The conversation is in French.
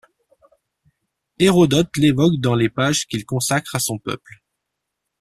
Hérodote l'évoque dans les pages qu'il consacre à son peuple.